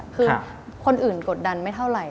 คือคนอื่นกดดันไม่เท่าไหร